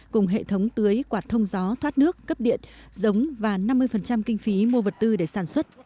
cùng hệ thống tưới quạt thông gió thoát nước cấp điện giống và năm mươi kinh phí mua vật tư để sản xuất